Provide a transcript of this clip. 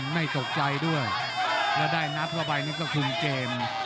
ไม่ตกใจด้วยแล้วได้นับไปนี่ก็คุณเจมส์